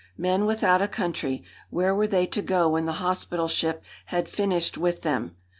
Men without a country, where were they to go when the hospital ship had finished with them?